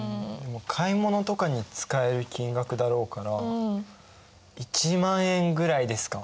買い物とかに使える金額だろうから１万円ぐらいですか？